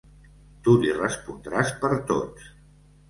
Tu li respondràs per tots.